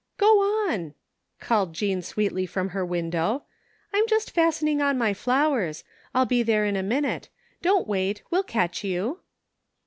" Go on," called Jean sweetly from her window, " Tm just fastening on my flowers. Til be there in a minute. Don't wait, we'll catch you."